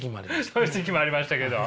そういう時期もありましたけど。